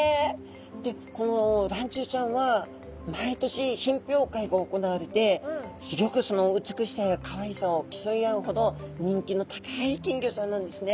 でこのらんちゅうちゃんは毎年品評会が行われてすギョくその美しさやかわいさを競い合うほど人気の高い金魚さんなんですね。